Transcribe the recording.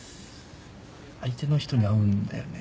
相手の人に会うんだよね？